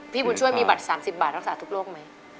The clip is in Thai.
พี่บุญช่วยมีบัตร๓๐บาทรักษาทุกโรคไหม